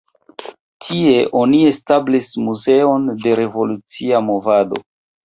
Tie oni establis muzeon de revolucia movado.